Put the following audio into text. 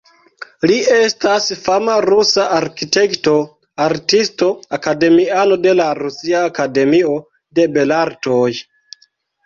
Li estas fama rusa arkitekto, artisto, akademiano de la Rusia Akademio de Belartoj.